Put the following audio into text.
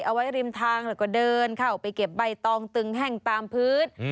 เอาไว้ริมทางแล้วก็เดินเข้าไปเก็บใบตองตึงแห้งตามพื้น